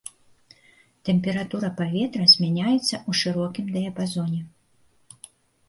Тэмпература паветра змяняецца ў шырокім дыяпазоне.